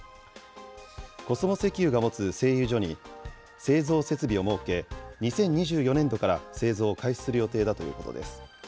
コスモ石油が持つ製油所に製造設備を設け、２０２４年度から製造を開始する予定だということです。